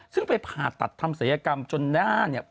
ซึ่งไปผ่าตัดทำศัยกรรมจนหน้าเนี่ย